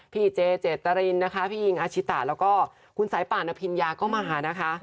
พี่เจเจตะรินอิงอาชิตะคุณสายปาณพิญญาก็มานะคะ